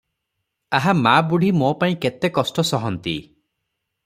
ଆହା ମାବୁଢ଼ୀ ମୋପାଇଁ କେତେ କଷ୍ଟ ସହନ୍ତି!"